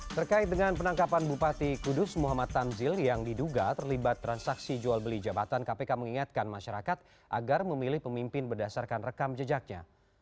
terkait dengan penangkapan bupati kudus muhammad tanzil yang diduga terlibat transaksi jual beli jabatan kpk mengingatkan masyarakat agar memilih pemimpin berdasarkan rekam jejaknya